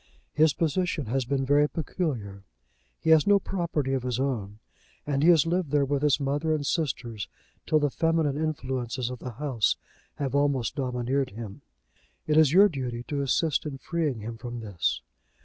His position has been very peculiar. He has no property of his own, and he has lived there with his mother and sisters till the feminine influences of the house have almost domineered him. It is your duty to assist in freeing him from this."